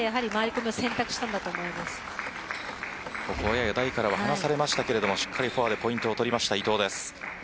このように台から離されましたけどしっかりフォアでポイントを取りました伊藤です。